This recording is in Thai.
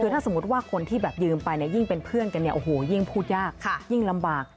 ถ้าสมมุติว่าคนที่ยืมไปยิ่งเป็นเพื่อนกันยิ่งพูดยากยิ่งลำบาก